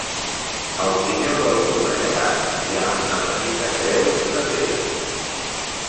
Al pinyó del mur de llevant hi ha una petita creu de pedra.